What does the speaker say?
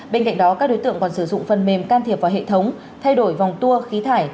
bên cạnh đó các đối tượng còn sử dụng phần mềm can thiệp vào hệ thống thay đổi vòng tua khí thải